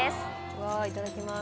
わぁいただきます。